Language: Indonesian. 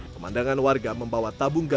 pemandangan warga membawa tabung gas